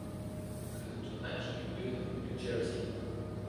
Le tournage a eu lieu dans le New Jersey.